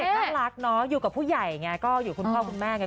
น่ารักเนาะอยู่กับผู้ใหญ่ไงก็อยู่คุณพ่อคุณแม่ไง